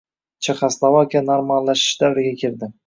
Chexoslovakiya “normallashish” davriga kirdi: